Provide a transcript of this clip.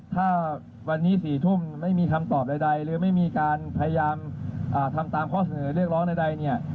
ถ้าวันนี้๔ทุ่มไม่มีคำตอบใดหรือไม่มีการพยายามทำตามข้อเสนอเรียกร้องใดเนี่ย